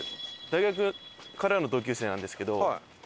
大学からの同級生なんですけど。